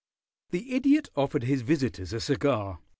The Idiot offered his visitors a cigar.